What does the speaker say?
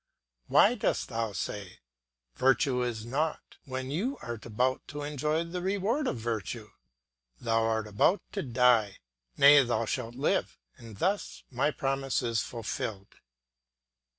Why dost thou say, 'Virtue is naught,' when thou art about to enjoy the reward of virtue? Thou art about to die! Nay, thou shalt live, and thus my promise is fulfilled."